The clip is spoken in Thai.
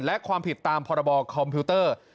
และความผิดตามพรบคอมพิวเตอร์